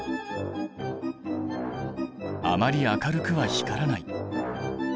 あまり明るくは光らない。